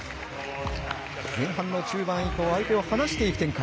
前半の中盤以降相手を離していく展開。